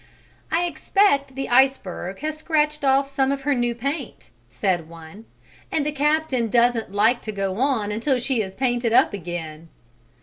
"I expect the iceberg has scratched off some of her new paint," said one, "and the captain doesn't like to go on until she is painted up again."